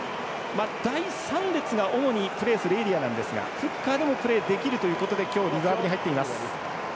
第３列が主にプレーするエリアなんですがフッカーでもプレーできるということで今日、リザーブに入っています。